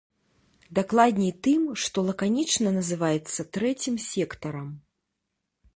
Дакладней, тым, што лаканічна называецца трэцім сектарам.